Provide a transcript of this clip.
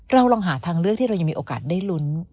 เราลองหาทางเลือกที่เรายังมีโอกาสได้ลุ้น